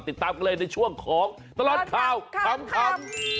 ติดตามกันเลยในช่วงของตลอดข่าวขำ